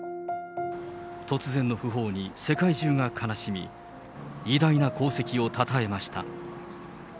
突然の訃報に世界中が悲しみ、偉大な功績をたたえました。